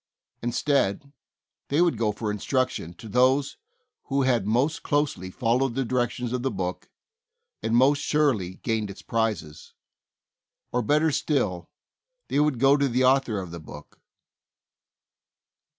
Instead, they would go for instruc tion to those who had most closely followed the directions of the book, and most surely gained its prizes. Or, better still, they would go to the author of the book.